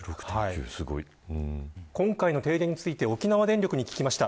今回の停電について沖縄電力に聞きました。